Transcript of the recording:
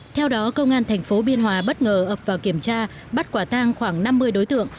theo đó công an thành phố biên hòa bất ngờ ập vào kiểm tra bắt quả tang khoảng năm mươi đối tượng